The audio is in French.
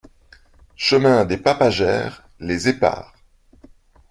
Chemin des Papagères, Les Éparres